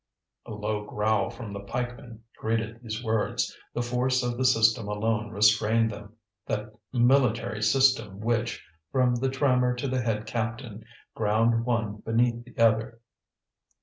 A low growl from the pikemen greeted these words. The force of the system alone restrained them, that military system which, from the trammer to the head captain, ground one beneath the other.